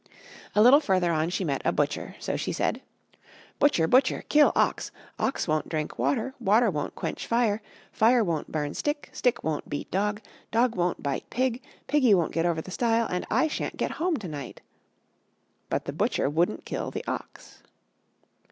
A little further on she met a butcher. So she said: "Butcher! butcher! kill ox; ox won't drink water; water won't quench fire; fire won't burn stick; stick won't beat dog; dog won't bite pig; piggy won't get over the stile; and I sha'n't get home to night." But the butcher wouldn't kill the ox.